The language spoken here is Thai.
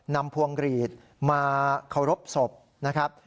พวงกรีดมาเคารพศพนะครับ